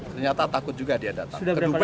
ternyata takut juga dia datang